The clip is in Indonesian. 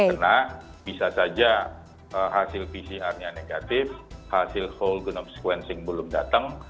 karena bisa saja hasil pcr nya negatif hasil whole genome sequencing belum datang